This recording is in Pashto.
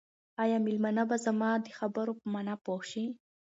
آیا مېلمانه به زما د خبرو په مانا پوه شي؟